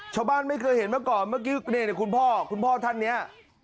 ชาวบ้านไม่เคยเห็นเมื่อก่อนนี่คุณพ่อคุณพ่อท่านนี้